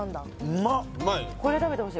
うまいね